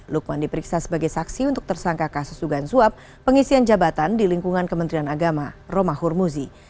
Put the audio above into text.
lukman diperiksa sebagai saksi untuk tersangka kasus dugaan suap pengisian jabatan di lingkungan kementerian agama roma hurmuzi